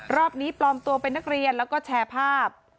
รอบนี้ปลอมตัวเป็นนักเรียนแล้วก็แชร์ภาพ